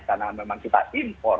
karena memang kita impor